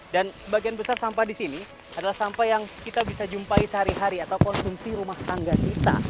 dan sebagian besar sampah di sini adalah sampah yang kita bisa jumpai sehari hari atau konsumsi rumah tangga kita